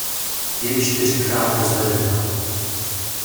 Je čtyřikrát rozvedená.